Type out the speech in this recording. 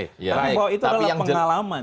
tapi bahwa itu adalah pengalaman